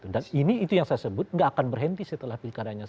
dan ini itu yang saya sebut gak akan berhenti setelah perikadanya